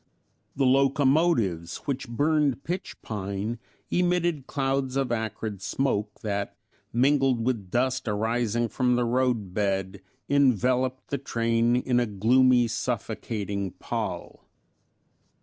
The locomotives, which burned pitch pine, emitted clouds of acrid smoke that, mingled with dust arising from the roadbed, enveloped the train in a gloomy, suffocating pall.